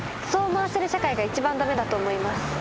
そう思わせる社会が一番駄目だと思います。